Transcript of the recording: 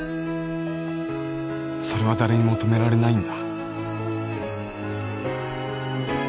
それは誰にも止められないんだ